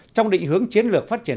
trong định hướng chiến lược phát triển